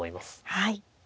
はい。